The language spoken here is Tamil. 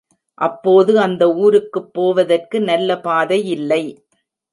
அப்போது அந்த ஊருக்குப் போவதற்கு நல்ல பாதையில்லை.